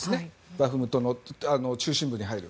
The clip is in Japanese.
バフムトの中心部に入る。